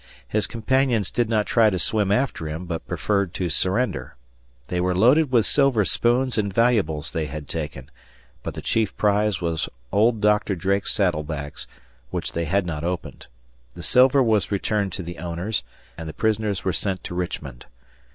His companions did not try to swim after him but preferred to surrender. They were loaded with silver spoons and valuables they had taken, but the chief prize was old Doctor Drake's saddlebags, which they had not opened. The silver was returned to the owners, and the prisoners were sent to Richmond.